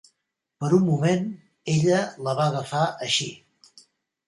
Per un moment, ella la va agafar així.